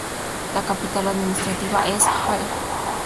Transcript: La capital administrativa es Ayr.